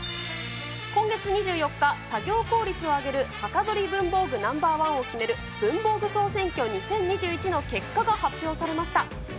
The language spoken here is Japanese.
今月２４日、作業効率を上げるはかどり文房具ナンバー１を決める文房具総選挙２０２１の結果が発表されました。